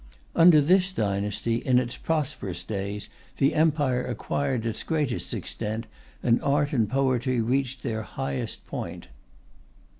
Under this dynasty, in its prosperous days, the Empire acquired its greatest extent, and art and poetry reached their highest point.